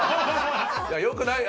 よくない。